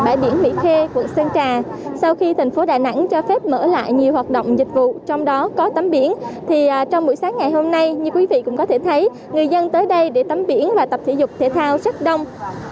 bãi biển mỹ khê quận sơn trà sau khi thành phố đà nẵng cho phép mở lại nhiều hoạt động dịch vụ trong đó có tắm biển thì trong buổi sáng ngày hôm nay như quý vị cũng có thể thấy người dân tới đây để tắm biển và tập thể dục thể thao rất đông